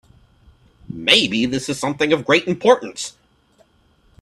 Maybe this is something of great importance.